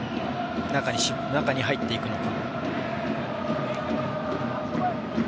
中に入っていくのか。